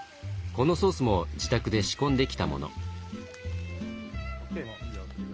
このソースも自宅で仕込んできたもの。